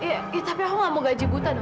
ya tapi aku gak mau gaji buta